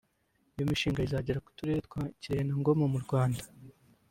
Iyo mishinga izagera ku turere twa Kirehe na Ngoma mu Rwanda